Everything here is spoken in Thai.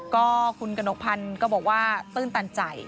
ก็คุณกระหนกพันธุ์ก็บอกว่าตื้นตันใจ